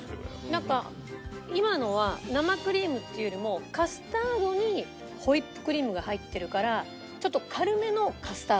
なんか今のは生クリームっていうよりもカスタードにホイップクリームが入ってるからちょっと軽めのカスタード。